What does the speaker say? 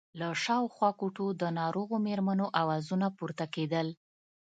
له شاوخوا کوټو د ناروغو مېرمنو آوازونه پورته کېدل.